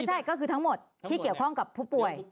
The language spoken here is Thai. ใช่ก็คือทั้งหมดที่เกี่ยวข้องกับผู้ป่วย